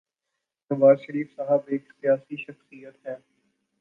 نواز شریف صاحب ایک سیاسی شخصیت ہیں۔